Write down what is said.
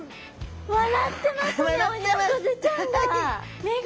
笑ってますねオニオコゼちゃんが。